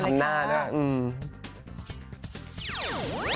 ทำหน้าด้วย